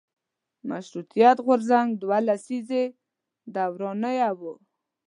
مشروطیت غورځنګ دوه لسیزې دورانیه وه.